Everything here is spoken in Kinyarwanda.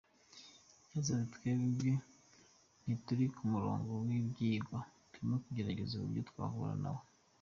Yagize ati “ twebwe ntituri ku murongo w’ibyigwa, turimo kugerageza uburyo twahura na we.